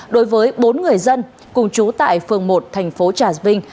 đối với bốn người dân cùng chú tại phường một thành phố trà vinh